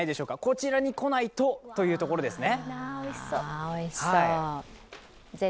こちらに来ないとというところですね。